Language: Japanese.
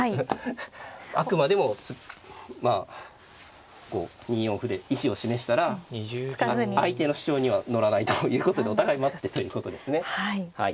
あくまでもまあこう２四歩で意思を示したら相手の主張には乗らないということでお互い待ってということですね。